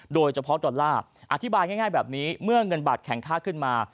ดอลลาร์อธิบายง่ายแบบนี้เมื่อเงินบาทแข็งค่าขึ้นมา